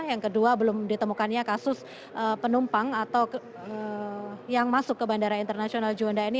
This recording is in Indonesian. yang kedua belum ditemukannya kasus penumpang atau yang masuk ke bandara internasional juanda ini